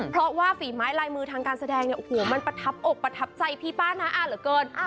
เพราะว่าฝีไม้ลายมือทางการแสดงเนี่ยโอ้โหมันประทับอกประทับใจพี่ป้าน้าอาเหลือเกิน